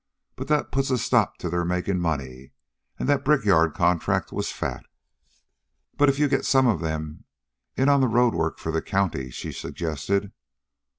But that puts a stop to their makin' money, an' that brickyard contract was fat." "But if you get some of them in on the road work for the county?" she suggested.